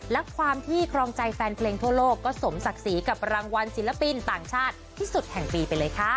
และความที่ครองใจแฟนเพลงทั่วโลกก็สมศักดิ์ศรีกับรางวัลศิลปินต่างชาติที่สุดแห่งปีไปเลยค่ะ